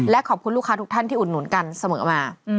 และขอบคุณลูกค้าทุกท่านที่อุดหนุนกันเสมอมา